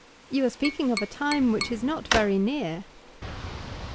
You are speaking of a time which is not very near.